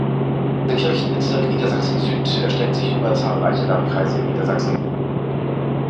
Der Kirchenbezirk Niedersachsen Süd erstreckt sich über zahlreiche Landkreise in Niedersachsen.